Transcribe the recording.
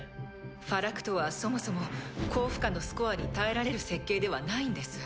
ファラクトはそもそも高負荷のスコアに耐えられる設計ではないんです。